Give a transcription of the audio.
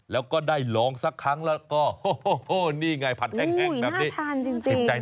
แล้วก็ได้หลองสักครั้งแล้วก็โฮนี่ไง